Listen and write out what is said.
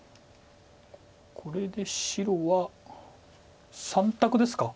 これで白は３択ですか。